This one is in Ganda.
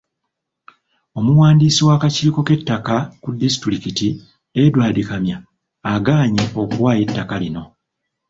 Omuwandiisi w'akakiiko k'ettaka ku disitulikiti, Edward Kamya, agaanye okuwaayo ettaka lino.